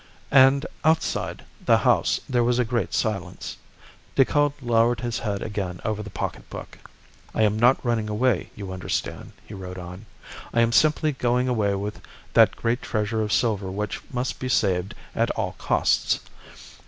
And outside the house there was a great silence. Decoud lowered his head again over the pocket book. "I am not running away, you understand," he wrote on. "I am simply going away with that great treasure of silver which must be saved at all costs.